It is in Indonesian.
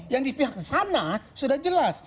yang di pihak sana sudah jelas